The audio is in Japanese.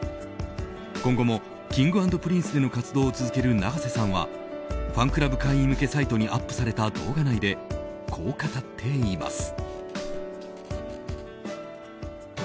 今後もＫｉｎｇ＆Ｐｒｉｎｃｅでの活動を続ける永瀬さんはファンクラブ会員向けサイトにアップされた動画内でこう語っています。